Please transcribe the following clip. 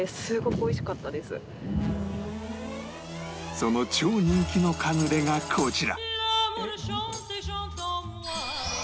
その超人気のカヌレがこちら